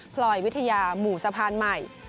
พลอยวิทยาหมู่สะพานใหม่